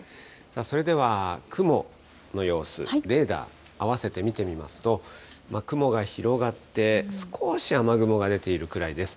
それでは雲の様子、レーダー、合わせて見てみますと、雲が広がって、少し雨雲が出ているくらいです。